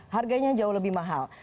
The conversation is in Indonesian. harganya jauh lebih mahal